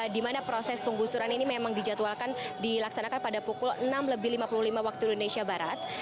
di mana proses penggusuran ini memang dijadwalkan dilaksanakan pada pukul enam lebih lima puluh lima waktu indonesia barat